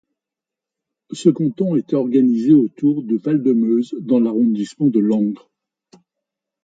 Ce canton était organisé autour de Val-de-Meuse dans l'arrondissement de Langres.